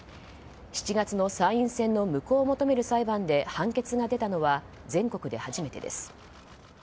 ７月の参院選の無効を求める裁判で判決が出たのは全国で初めてです。